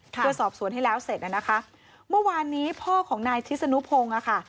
เพื่อสอบสวนให้แล้วเสร็จนะคะเมื่อวานนี้พ่อของนายทิศนุพงศ์อ่ะค่ะ